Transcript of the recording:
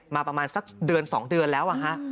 มาประมาณสักเดือน๒เดือนแล้ว